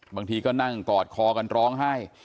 บางทีก็นั่งกอดคอกันร้องไห้